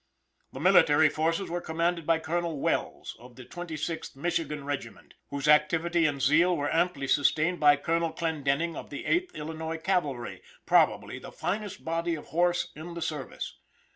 The military forces were commanded by Colonel Welles, of the Twenty sixth Michigan regiment, whose activity and zeal were amply sustained by Colonel Clendenning, of the Eighth Illinois cavalry, probably the finest body of horse in the service.